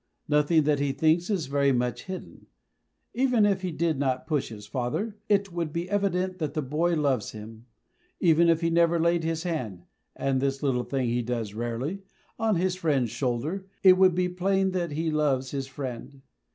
Nothing that he thinks is very much hidden. Even if he did not push his father, it would be evident that the boy loves him; even if he never laid his hand (and this little thing he does rarely) on his friend's shoulder, it would be plain that he loves his friend.